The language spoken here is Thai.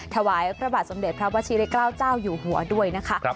ถวายพระบาทสมเด็จพระวชิริเกล้าเจ้าอยู่หัวด้วยนะคะ